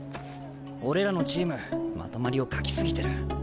俺らのチームまとまりを欠き過ぎてる。